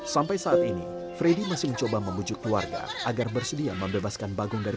sampai saat ini freddy masih mencoba membujuk keluarga agar bersedia membebaskan bagong dari